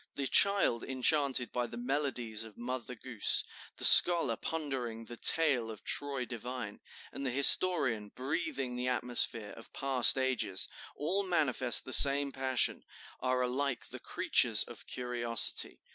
The child enchanted by the melodies of Mother Goose, the scholar pondering 'the tale of Troy divine,' and the historian breathing the atmosphere of past ages, all manifest the same passion, are alike the creatures of curiosity.